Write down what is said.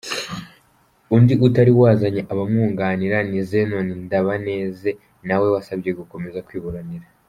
Undi utari wazanye abamwunganira ni Zenon Ndabaneze nawe wasabye gukomeza kwiburanira.